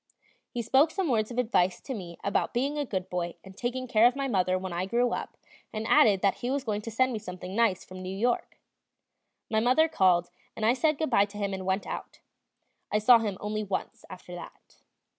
He spoke some words of advice to me about being a good boy and taking care of my mother when I grew up, and added that he was going to send me something nice from New York. My mother called, and I said good bye to him and went out. I saw him only once after that.